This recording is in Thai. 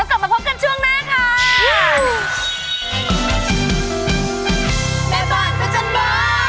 กลับมาพบกันช่วงหน้าค่ะ